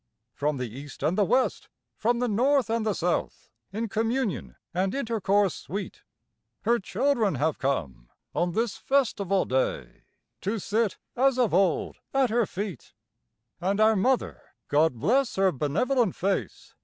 From the East and the West, from the North and the South, In communion and intercourse sweet, Her children have come, on this festival day, To sit, as of old, at her feet. And our mother, God bless her benevolent face!